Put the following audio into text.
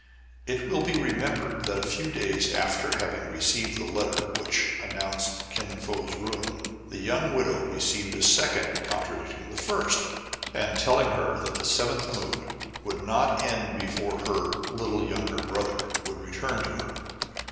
It will be remembered, that, a few days after having received the letter which announced Kin Fo's ruin, the young widow received a second contradictmg the first, and telling her that the seventh moon would not end before her "little younger brother" would return to her.